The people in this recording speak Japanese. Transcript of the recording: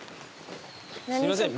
すいません